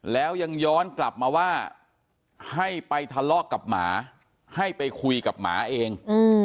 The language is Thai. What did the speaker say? แล้วยังย้อนกลับมาว่าให้ไปทะเลาะกับหมาให้ไปคุยกับหมาเอง